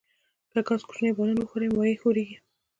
که د ګاز کوچنی بالون وښوروئ مایع ښوریږي.